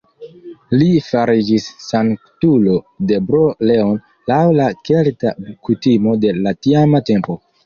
Li fariĝis sanktulo de Bro-Leon laŭ la kelta kutimo de la tiama tempo.